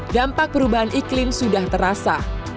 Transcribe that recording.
dampak perubahan iklim sudah terasa